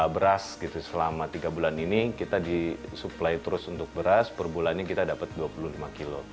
beras gitu selama tiga bulan ini kita disuplai terus untuk beras per bulannya kita dapat dua puluh lima kilo